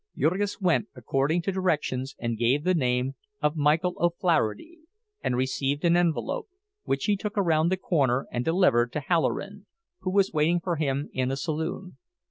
Jurgis went, according to directions, and gave the name of "Michael O'Flaherty," and received an envelope, which he took around the corner and delivered to Halloran, who was waiting for him in a saloon.